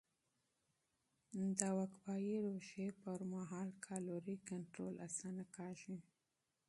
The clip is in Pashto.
د وقفهيي روژې پر مهال کالوري کنټرول اسانه کېږي.